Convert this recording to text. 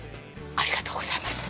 ありがとうございます。